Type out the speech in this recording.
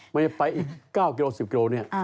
ไปอีก๙กิโล๑๐กิโลเนี่ย